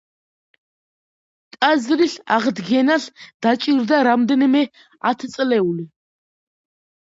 ტაძრის აღდგენას დაჭირდა რამდენიმე ათწლეული.